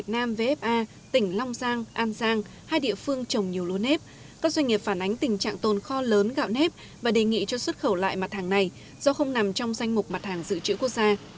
các doanh nghiệp phản ánh tình trạng tồn kho lớn gạo nếp và đề nghị cho xuất khẩu lại mặt hàng này do không nằm trong danh mục mặt hàng dự trữ quốc gia